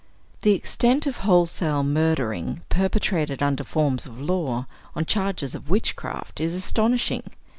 The extent of wholesale murdering perpetrated under forms of law, on charges of witchcraft, is astonishing.